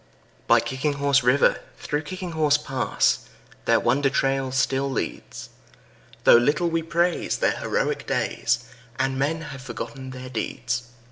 By Kicking Horse River, through Kicking Horse Pass, Their wonder trail still leads, Though little we praise their heroic days And men have forgotten their deeds.